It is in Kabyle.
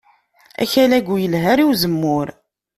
Akal-agi ur yelha ara i uzemmur